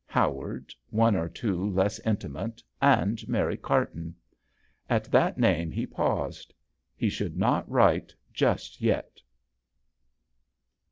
Ho ward, one or two less intimate, and Mary Carton. At that name he paused ; he would not write just yet.